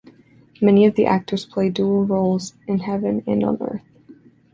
Many of the actors play dual roles, in Heaven and on Earth.